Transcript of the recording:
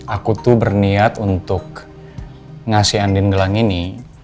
aku tuh berniat untuk ngasih andin gelang ini